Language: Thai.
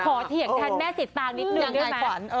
ขอเถียกแทนแม่สิตางนิดนึงด้วยแม่